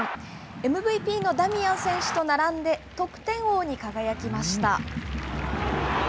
ＭＶＰのダミアン選手と並んで、得点王に輝きました。